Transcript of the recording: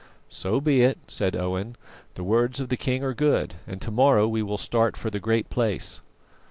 '" "So be it," said Owen; "the words of the king are good, and to morrow we will start for the Great Place."